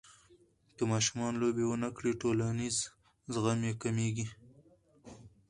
که ماشوم لوبې ونه کړي، ټولنیز زغم یې کمېږي.